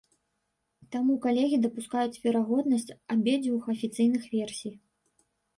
Таму калегі дапускаюць верагоднасць абедзвюх афіцыйных версій.